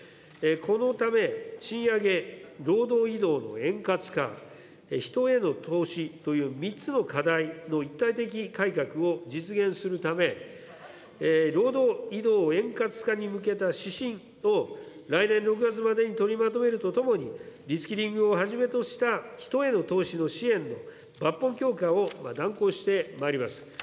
このため、賃上げ、労働移動の円滑化、人への投資という３つの課題の一体的改革を実現するため、労働移動円滑化に向けた指針を来年６月までに取りまとめるとともに、リスキリングをはじめとした人への投資の支援の抜本強化を断行してまいります。